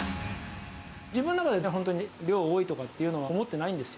自分の中では本当に量が多いとかっていうのは、思ってないんです。